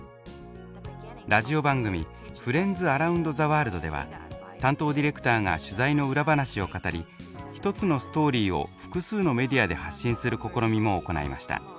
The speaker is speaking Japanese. ラジオ番組「ＦｒｉｅｎｄｓＡｒｏｕｎｄｔｈｅＷｏｒｌｄ」では担当ディレクターが取材の裏話を語り一つのストーリーを複数のメディアで発信する試みも行いました。